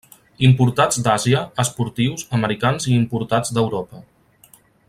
Importats d'Àsia, esportius, americans i importats d'Europa.